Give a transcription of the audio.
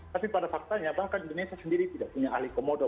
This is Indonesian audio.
tapi pada faktanya bahkan indonesia sendiri tidak punya ahli komodo